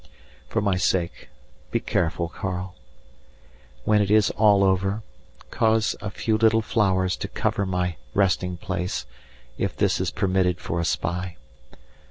For my sake be careful, Karl. When it is all over, cause a few little flowers to cover my resting place, if this is permitted for a spy.